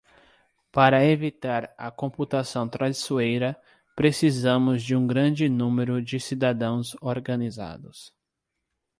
Para evitar a computação traiçoeira, precisamos de um grande número de cidadãos organizados.